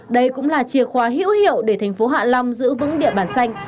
đây cũng là chìa khóa hữu hiệu để thành phố hạ long giữ vững địa bàn xanh